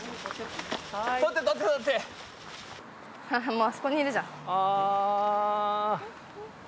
もうあそこにいるじゃん。